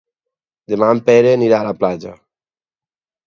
Demà en Pere anirà a la platja.